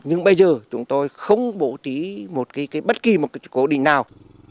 nhưng bây giờ chúng tôi không bổ trí bất kỳ một cố định nào